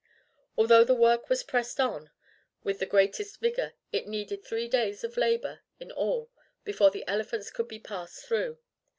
Although the work was pressed on with the greatest vigour it needed three days of labour in all before the elephants could be passed through.